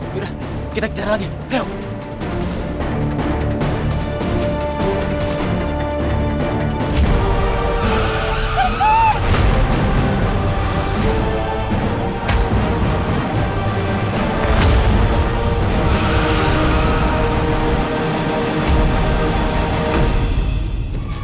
yaudah kita cari lagi ayo